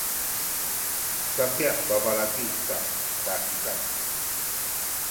sakay babalaki sa kasikaz